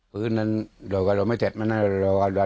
พื้นนั้นเราไม่เสร็จมั้นเราเนอะ